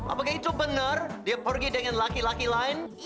apakah itu benar dia pergi dengan laki laki lain